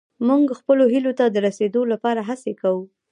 موږ خپلو هيلو ته د رسيدا لپاره هڅې کوو.